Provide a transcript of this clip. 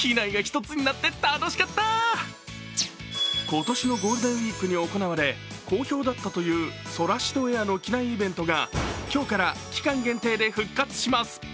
今年のゴールデンウイークに行われ好評だったというソラシドエアの機内イベントが今日から期間限定で復活します。